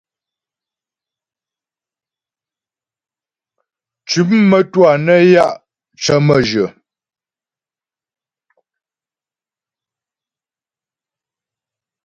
Tʉ̌m mə́twâ nə́ ya' cə̀ mə́jyə.